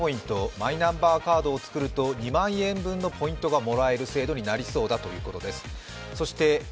マイナンバーカードを作ると２万円分のポイントがもらえる制度になりそうだということです。